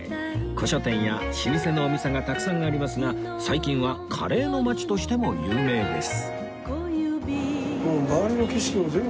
古書店や老舗のお店がたくさんありますが最近はカレーの街としても有名です